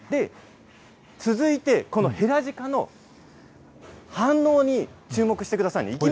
続いて、このヘラジカの反応に注目してくださいね。